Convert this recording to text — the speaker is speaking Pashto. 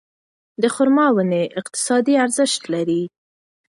د خورما ونې اقتصادي ارزښت لري.